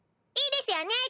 いいですよね？